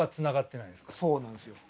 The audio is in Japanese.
そうなんですよ。